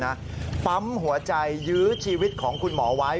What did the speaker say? ปั๊มหัวใจยื้อชีวิตของคุณหมอไว้